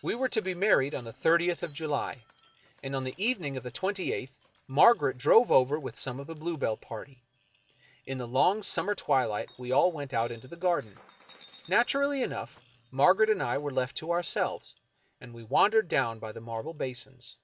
We were to be married on the thirtieth of July, and on the evening of the twenty eighth Margaret drove over with some of the Bluebell party. In the long summer twiHght we all went out into the garden. Naturally enough, Mar garet and I were left to ourselves, and we wandered down by the marble basins.